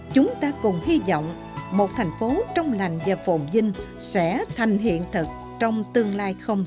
chúng ta cùng hy vọng một thành phố trong lành và phồn dinh sẽ thành hiện thực trong tương lai không xa